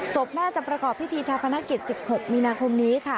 ศพแม่จะประกอบพิธีชาพนักกิจ๑๖มีนาคมนี้ค่ะ